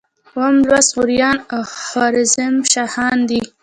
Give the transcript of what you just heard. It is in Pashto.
اووم لوست غوریان او خوارزم شاهان دي.